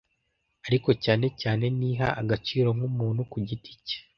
ariko cyane cyane, niha agaciro nkumuntu ku giti cye